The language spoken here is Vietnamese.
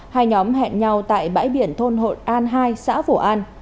hai nhóm hẹn nhau tại bãi biển thôn hội an hai xã phổ an